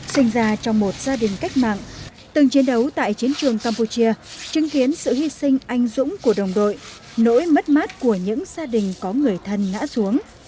sinh ra trong một gia đình cách mạng từng chiến đấu tại chiến trường campuchia chứng kiến sự hy sinh anh dũng của đồng đội nỗi mất mát của những gia đình có người thân ngã xuống